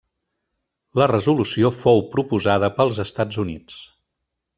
La resolució fou proposada pels Estats Units.